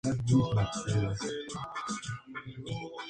Noticia en Región de Murcia digital.